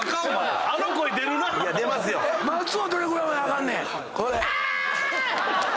松尾はどれぐらいまで上がんねん？